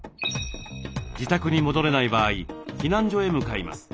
自宅に戻れない場合避難所へ向かいます。